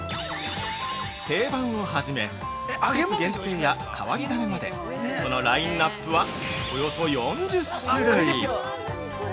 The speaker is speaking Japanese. ◆定番を初め、季節限定や変わり種までそのラインナップはおよそ４０種類。